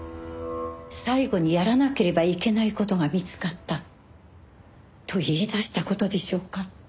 「最後にやらなければいけない事が見つかった」と言い出した事でしょうか。